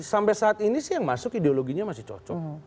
sampai saat ini sih yang masuk ideologinya masih cocok